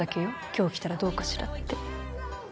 今日着たらどうかしらって。